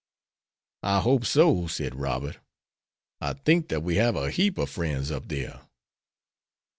'" "I hope so," said Robert. "I think that we have a heap of friends up there."